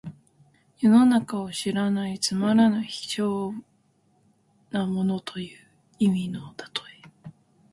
世の中を知らないつまらぬ卑小な者という意味の例え。